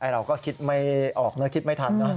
เราก็คิดไม่ออกนะคิดไม่ทันนะ